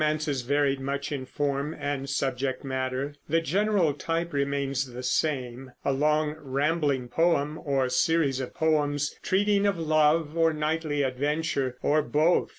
Though the metrical romances varied much in form and subject matter, the general type remains the same, a long rambling poem or series of poems treating of love or knightly adventure or both.